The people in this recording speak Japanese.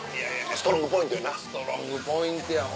ストロングポイントやな。